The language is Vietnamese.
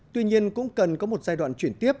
tuy nhiên cũng cần có một giai đoạn chuyển tiếp